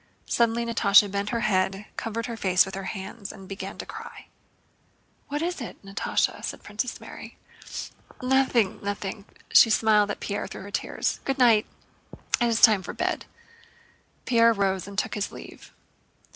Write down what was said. Suddenly Natásha bent her head, covered her face with her hands, and began to cry. "What is it, Natásha?" said Princess Mary. "Nothing, nothing." She smiled at Pierre through her tears. "Good night! It is time for bed." Pierre rose and took his leave.